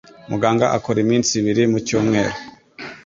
Muganga akora iminsi ibiri mu cyumweru.